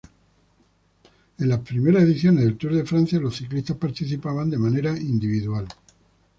En las primeras ediciones del Tour de Francia los ciclistas participaban de manera individual.